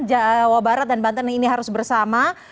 jawa barat dan banten ini harus bersama